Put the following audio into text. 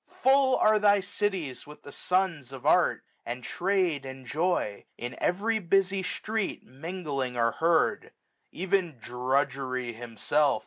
1455 Full are thy cities with the sons of art j And trade and joy, in every busy street. Mingling are heard : even Drudgery himself.